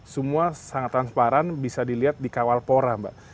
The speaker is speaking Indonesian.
semua sangat transparan bisa dilihat di kawalpora mbak